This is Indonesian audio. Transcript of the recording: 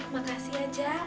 makasih ya jah